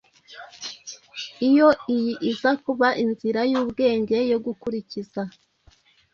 iyo iyi iza kuba inzira y’ubwenge yo gukurikiza.